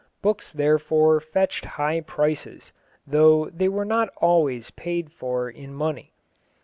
Books therefore fetched high prices, though they were not always paid for in money.